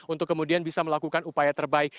untuk kemudian bisa melakukan upaya terbaik